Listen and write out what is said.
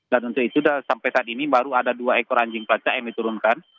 dan untuk itu sampai saat ini baru ada dua ekor anjing pelacak yang diturunkan